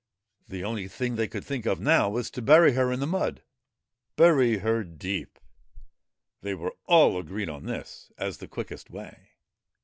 The only thing they could think of now was to bury her in the mud, bury her deep. They were all agreed on this as the quickest way.